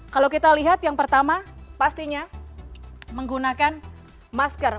kalau kita lihat yang pertama pastinya menggunakan masker